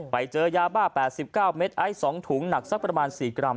ไปเจอยาบ้า๘๙เมตรไอซ์๒ถุงหนักสักประมาณ๔กรัม